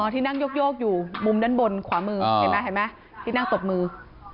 ที่นั่งโยกอยู่มุมด้านบนขวามือเห็นไหมเห็นไหมที่นั่งตบมือ